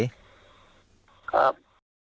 ครับ